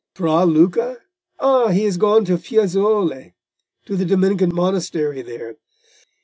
"Fra Luca? ah, he is gone to Fiesole—to the Dominican monastery there.